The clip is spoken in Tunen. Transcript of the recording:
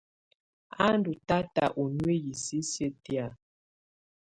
A ndɔ̀ tata ɔ̀ nuiyii sisiǝ́ tɛ̀á.